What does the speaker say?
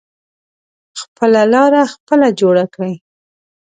خپله لاره خپله جوړه کړی.